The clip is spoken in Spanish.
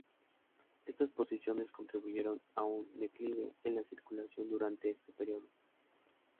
Estas posiciones contribuyeron a un declive en la circulación durante este período.